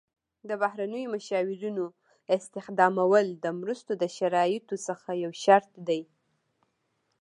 د بهرنیو مشاورینو استخدامول د مرستو د شرایطو څخه یو شرط دی.